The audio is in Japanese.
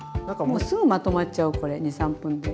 もうすぐまとまっちゃうこれ２３分で。